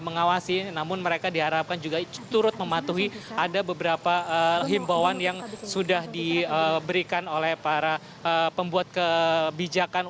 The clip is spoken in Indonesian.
mengawasi namun mereka diharapkan juga turut mematuhi ada beberapa himbauan yang sudah diberikan oleh para pembuat kebijakan